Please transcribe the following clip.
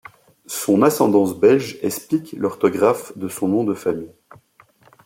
Son ascendance belge explique l'orthographe de son nom de famille.